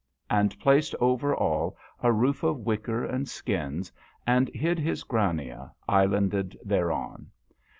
and placed over all a roof of wicker and skins, and hid his Grania, islanded thereon.